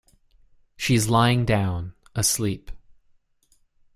She's lying down, asleep.